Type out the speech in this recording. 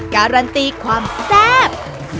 การันตีความแซ่บ